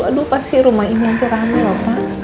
aduh pasti rumah ini yang teramil pak